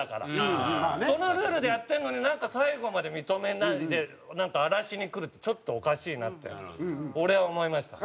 そのルールでやってるのになんか最後まで認めないで荒らしにくるってちょっとおかしいなって俺は思いました。